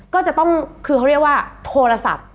ก็จะต้องคือเขาเรียกว่าโทรศัพท์